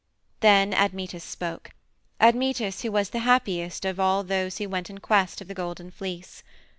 Then Admetus spoke Admetus who was the happiest of all those who went in quest of the Golden Fleece.